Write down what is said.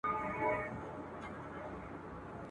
د جنګ کلتور بايد له منځه لاړ سي.